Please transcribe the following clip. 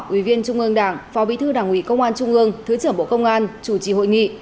ủy viên trung ương đảng phó bí thư đảng ủy công an trung ương thứ trưởng bộ công an chủ trì hội nghị